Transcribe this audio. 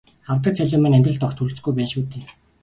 Авдаг цалин маань амьдралд огт хүрэлцэхгүй байна шүү дээ.